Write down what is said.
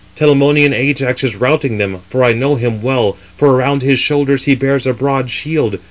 Telamonian Ajax is routing them, for I know him well, for around his shoulders he bears a broad shield.